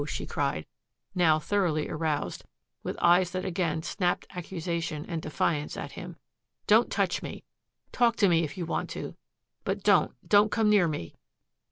she cried, now thoroughly aroused, with eyes that again snapped accusation and defiance at him, "don't touch me. Talk to me, if you want to, but don't, don't come near me."